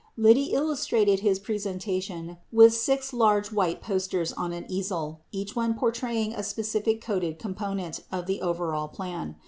Liddy illustrated his presentation with six large white posters on an easel, each one portraying a specific coded component of the overall plan.